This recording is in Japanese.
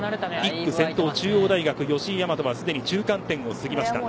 １区先頭、中央大学吉居大和がすでに中間点を過ぎました。